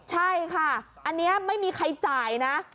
ใช่ค่ะอันนี้ไม่มีใครจ่ายนะ